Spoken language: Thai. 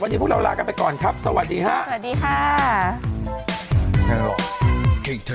วันนี้พวกเราลากันไปก่อนครับสวัสดีค่ะ